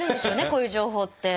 こういう情報って。